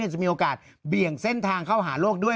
จะมีโอกาสเบี่ยงเส้นทางเข้าหาโลกด้วย